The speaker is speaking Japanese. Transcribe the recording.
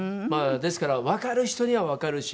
ですからわかる人にはわかるし。